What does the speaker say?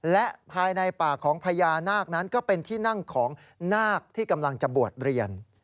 และภายในป่าของพญานาคนั้นก็เป็นที่นั่งของนาคที่กำลังจะบวชเรียน